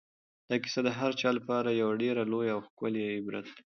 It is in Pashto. دا کیسه د هر چا لپاره یو ډېر لوی او ښکلی عبرت دی.